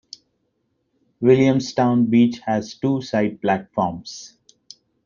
Williamstown Beach has two side platforms.